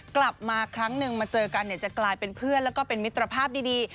กลับมาครั้งหนึ่งมาเจอกันจะกลายเป็นเพื่อนแล้วก็เป็นมิตรภาพดี